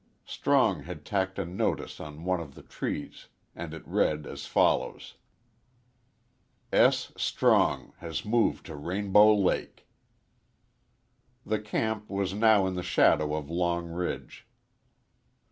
Strong had tacked a notice on one of the trees, and it read as follows: S STRONG HAS MOVED TO RAINBOW LAKE The camp was now in the shadow of Long Ridge.